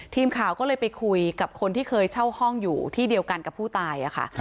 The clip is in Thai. ทีมข่าวก็เลยไปคุยกับคนที่เคยเช่าห้องอยู่ที่เดียวกันกับผู้ตายค่ะ